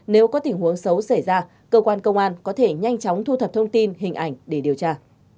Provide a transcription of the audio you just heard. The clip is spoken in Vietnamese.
nếu có tình huống xấu xảy ra cơ quan công an có thể nhanh chóng thu thập thông tin hình ảnh để điều tra